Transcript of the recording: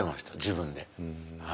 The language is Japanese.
自分で。